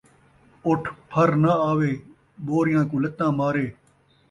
اُٹھ پھر ناں آوے، ٻوریاں کوں لتاں مارے